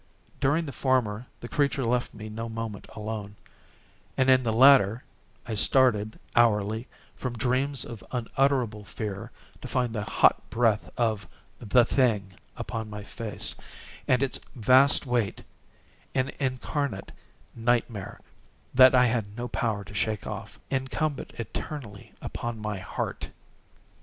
During the former the creature left me no moment alone, and in the latter I started hourly from dreams of unutterable fear to find the hot breath of the thing upon my face, and its vast weight—an incarnate nightmare that I had no power to shake off—incumbent eternally upon my _heart!